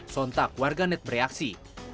sontak warganet bereaksi